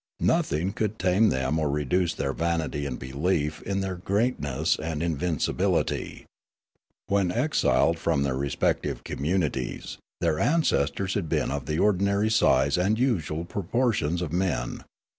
Nothing could tame them or reduce their vanity and belief in their great The Voyage to Broolyi 3 ^ i ness and invincibility. When exiled from their re spective communities, their ancestors had been of the ordinary size and usual proportions of men.